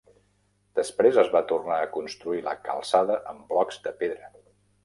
Després, es va tornar a construir la calçada amb blocs de pedra.